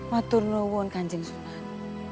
maturnu wun kanjeng sunan